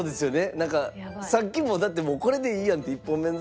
なんかさっきもだってもうこれでいいやんって１本目の時。